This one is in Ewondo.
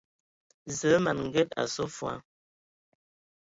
Zǝə ma n Nged nso fa.